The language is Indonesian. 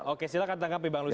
oke silahkan tangkap bang lucius